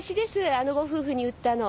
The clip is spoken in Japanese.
あのご夫婦に売ったの。